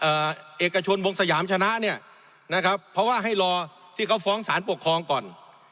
เอกชนวงสยามชนะเนี่ยนะครับเพราะว่าให้รอที่เขาฟ้องสารปกครองก่อน